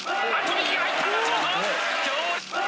右が入った松本！